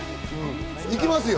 行きますよ！